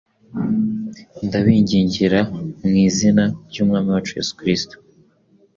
ndabingingira mu izina ry’Umwami wacu Yesu Kristo,